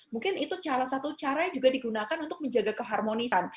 mungkin itu salah satu cara juga digunakan untuk menjaga keharmonisan